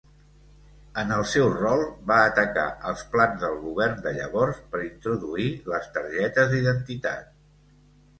En el seu rol, va atacar els plans del govern de llavors per introduir les targetes d'identitat.